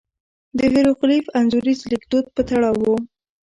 د هېروغلیف انځوریز لیکدود په تړاو وو.